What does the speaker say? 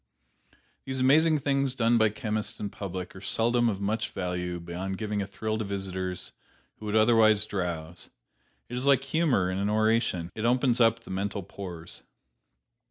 These amazing things done by chemists in public are seldom of much value beyond giving a thrill to visitors who would otherwise drowse; it is like humor in an oration: it opens up the mental pores.